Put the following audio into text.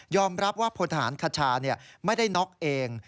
รับว่าพลทหารคชาไม่ได้น็อกเอง